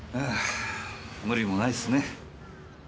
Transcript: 無理もないっすね。